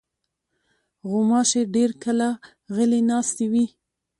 غوماشې ډېر کله غلې ناستې وي.